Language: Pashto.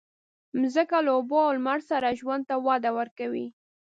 مځکه له اوبو او لمر سره ژوند ته وده ورکوي.